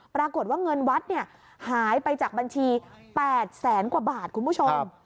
ปรากฏว่าเงินวัดหายไปจากบัญชี๘แสนกว่าบาทคุณผู้ชม